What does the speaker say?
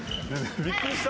びっくりした。